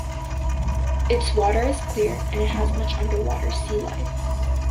Its water is clear and it has much underwater sealife.